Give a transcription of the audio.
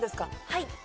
はい。